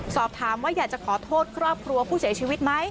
สอบถามว่าอยากจะขอโทษครอบครัวผู้เสียชีวิตไหม